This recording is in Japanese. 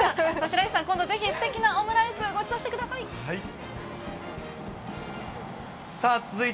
白石さん、今度ぜひ、すてきなオムライス、ごちそうしてください。